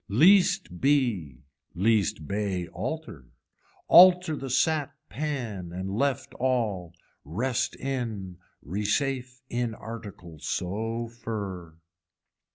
Least bee, least bay alter, alter the sat pan and left all, rest in, resafe in article so fur.